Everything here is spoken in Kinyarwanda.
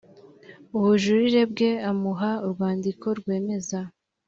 ubujurire bwe amuha urwandiko rwemeza